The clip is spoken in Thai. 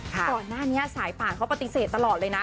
ก่อนหน้านี้สายป่านเขาปฏิเสธตลอดเลยนะ